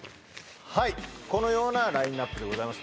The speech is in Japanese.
はいこのようなラインナップでございます